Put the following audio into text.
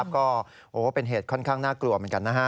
ก็เป็นเหตุค่อนข้างน่ากลัวเหมือนกันนะฮะ